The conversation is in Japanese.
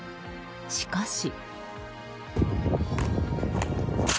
しかし。